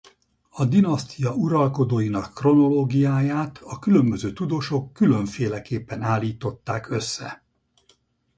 A dinasztia uralkodóinak kronológiáját a különböző tudósok különféleképpen állították össze.